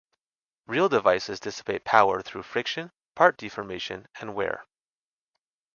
Real devices dissipate power through friction, part deformation and wear.